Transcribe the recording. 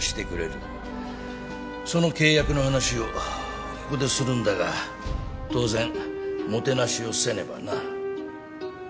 その契約の話をここでするんだが当然もてなしをせねばな。